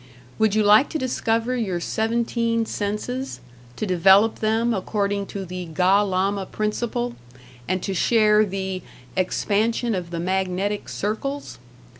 Would you like to discover your seventeen senses, to develop them according to the Ga Llama principle, and to share the "expansion of the magnetic circles"?